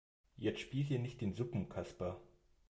Jetzt spiel hier nicht den Suppenkasper.